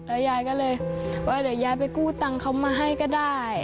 ยายก็เลยว่าเดี๋ยวยายไปกู้ตังค์เขามาให้ก็ได้